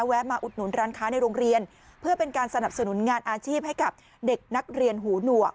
มาอุดหนุนร้านค้าในโรงเรียนเพื่อเป็นการสนับสนุนงานอาชีพให้กับเด็กนักเรียนหูหนวก